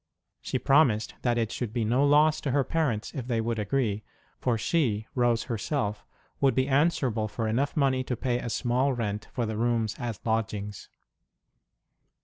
She promised that it should be no loss to her parents if they would agree, for she Rose herself would be answerable for enough money to pay a small rent for the rooms as lodgings.